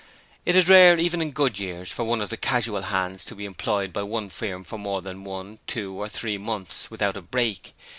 It is rare even in good years for one of the casual hands to be employed by one firm for more than one, two or three months without a break.